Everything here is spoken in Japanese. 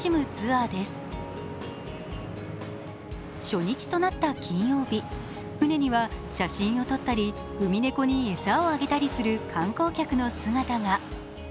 初日となった金曜日、船には写真を撮ったりウミネコに餌をやったりする観光客の姿が。